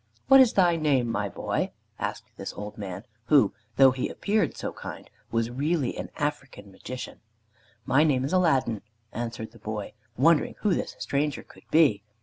"What is thy name, my boy?" asked this old man, who, though he appeared so kind, was really an African Magician. "My name is Aladdin," answered the boy, wondering who this stranger could be.